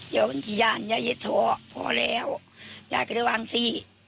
อยากจะไปที่ยานอย่าเฮ็ดถ่อพอแล้วยายก็ได้วางสิ